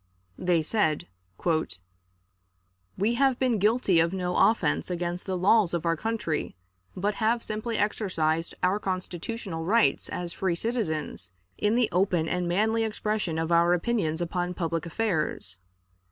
They said: "We have been guilty of no offense against the laws of our country, but have simply exercised our constitutional rights as free citizens in the open and manly expression of our opinions upon public affairs.